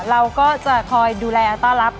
เราก็จะคอยดูแลต้อนรับ